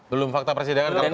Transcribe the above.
belum fakta persidangan